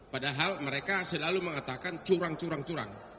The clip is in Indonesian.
padahal mereka selalu mengatakan curang curang curang